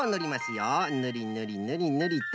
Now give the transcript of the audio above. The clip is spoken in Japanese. ぬりぬりぬりぬりと。